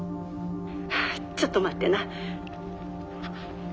ちょっと待ってな。